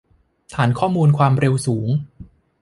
ฐานข้อมูลความเร็วสูง